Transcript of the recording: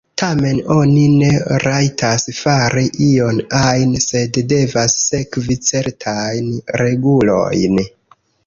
Tamen oni ne rajtas fari ion ajn, sed devas sekvi certajn regulojn.